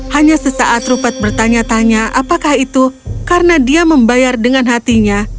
hanya sesaat rupet bertanya tanya apakah itu karena dia membayar dengan hatinya